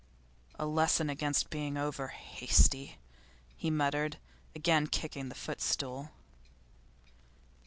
'A lesson against being over hasty,' he muttered, again kicking the footstool.